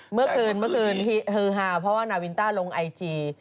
เมื่อคืนเมื่อคืนฮือฮาเพราะว่านาวินต้าลงไอจี